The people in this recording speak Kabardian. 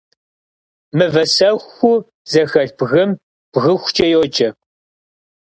Мывэсэхуу зэхэлъ бгым бгыхукӏэ йоджэ.